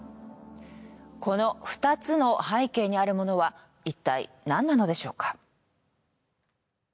この２つの背景にあるものはいったいなんなのでしょうか？